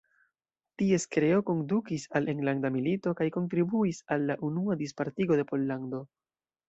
Ties kreo kondukis al enlanda milito kaj kontribuis al la Unua Dispartigo de Pollando.